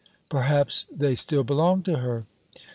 "Perhaps they still belong to her?"